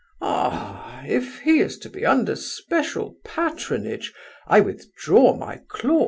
"A ah! if he is to be under special patronage, I withdraw my claws."